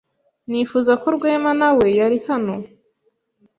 Nifuza ko Rwema nawe yari hano.